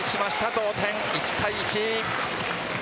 同点１対１。